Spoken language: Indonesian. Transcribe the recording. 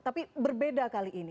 tapi berbeda kali ini